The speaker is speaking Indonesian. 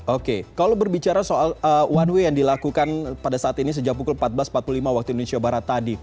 oke kalau berbicara soal one way yang dilakukan pada saat ini sejak pukul empat belas empat puluh lima waktu indonesia barat tadi